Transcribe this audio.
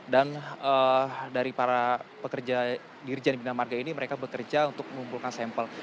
dan dari para pekerja diri jenderal bina marga ini mereka bekerja untuk mengumpulkan sampel